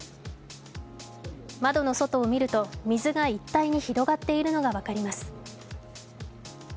窓の外を見ると水が一帯に広がっているのが分かります。